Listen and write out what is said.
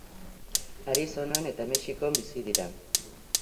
Arizonan eta Mexikon bizi dira.